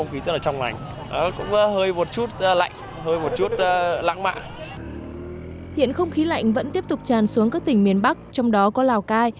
hiện không khí lạnh vẫn tiếp tục tràn xuống các tỉnh miền bắc trong đó có lào cai